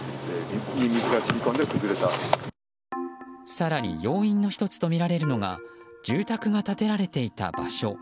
更に要因の１つとみられるのが住宅が建てられていた場所。